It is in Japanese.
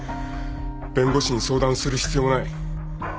弁護士に相談する必要もない。